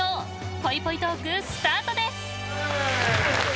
ぽいぽいトーク、スタートです！